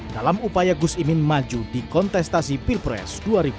dalam upaya gus imin maju di kontestasi pilpres dua ribu dua puluh